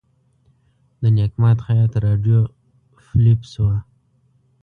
د نیک ماد خیاط راډیو فلپس وه.